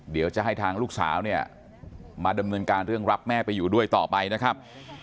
เดี๋ยวจะให้ทางลูกสาวเนี่ยมาดำเนินการเรื่องรับแม่ไปอยู่ด้วยต่อไปนะครับ